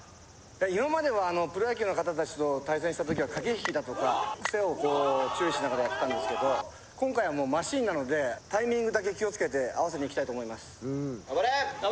今まではプロ野球の方達と対戦した時は駆け引きだとかクセを注意しながらやってたんですけど今回はマシンなのでタイミングだけ気をつけて合わせにいきたいと思います